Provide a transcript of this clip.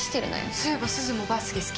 そういえばすずもバスケ好きだよね？